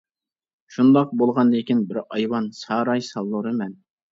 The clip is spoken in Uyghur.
شۇنداق بولغاندىكىن بىر ئايۋان ساراي سالدۇرىمەن.